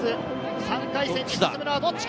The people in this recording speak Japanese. ３回戦に進むのはどっちか？